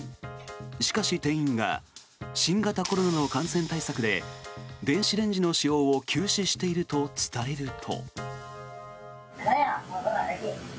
しかし、店員が新型コロナの感染対策で電子レンジの使用を休止していると伝えると。